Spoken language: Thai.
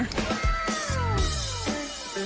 ว้าว